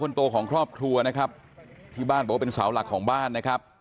คนโตของครอบครัวนะครับที่บ้านบอกว่าเป็นเสาหลักของบ้านนะครับ